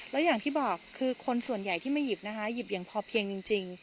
แล้วอย่างที่บอกคือคนส่วนใหญ่ที่มาหยิบนะคะหยิบอย่างพอเพียงจริง